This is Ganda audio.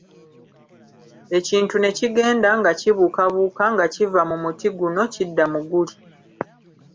Ekintu ne kigenda nga kibuukabuuka nga kiva mu muti guno kidda mu guli.